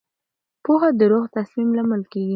پوهه د روغ تصمیم لامل کېږي.